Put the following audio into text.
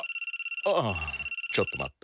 ああちょっと待っと。